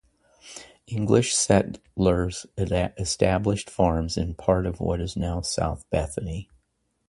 English settlers established farms in parts of what is now South Bethany.